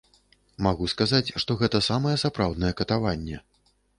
Магу сказаць, што гэта самае сапраўднае катаванне.